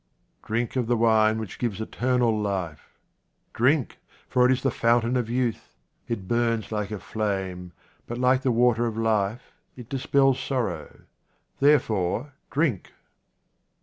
Drink of the wine which gives eternal life. Drink, for it is the fountain of youth. It burns like a flame, but, like the water of life, it dispels sorrow — therefore drink.